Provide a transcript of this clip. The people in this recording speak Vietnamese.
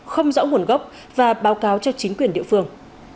không rõ nguồn gốc và báo cáo cho chính quyền địa phương